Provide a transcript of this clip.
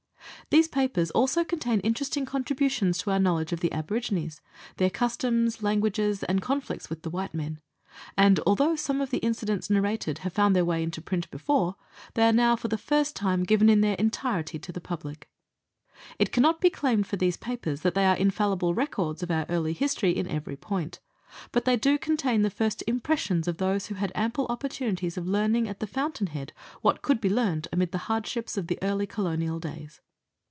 These papers also contain interesting contributions to our knowledge of the aborigines their languages, customs, and conflicts with the white men ; and although some of the incidents narrated have found their way into print before, they are now for the first time given in their entirety to the public. It cannot be claimed for these papers that they are infallible records of our early history in every point, but they do contain the first impressions of those who had ample opportunities of learning at the fountain head what could be learnt amid the hardships of early colonial days.